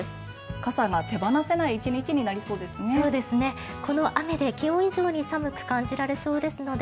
傘が手放せない１日になりそうですね。